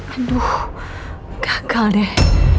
aduh gagal deh